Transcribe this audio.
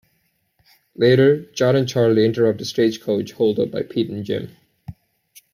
Later, John and Charlie interrupt a stagecoach holdup by Pete and Jim.